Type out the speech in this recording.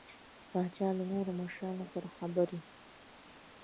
پاچا له نورو مشرانو سره خبرې